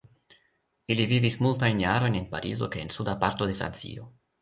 Ili vivis multajn jarojn en Parizo kaj en suda parto de Francio.